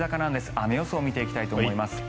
雨予想を見ていきたいと思います。